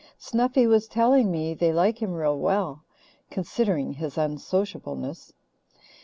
Snuffy was telling me they like him real well, considering his unsociableness.